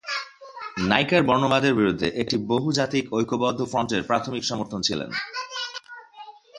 নাইকার বর্ণবাদের বিরুদ্ধে একটি বহু-জাতিগত ঐক্যবদ্ধ ফ্রন্টের প্রাথমিক সমর্থক ছিলেন।